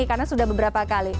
karena sudah beberapa kali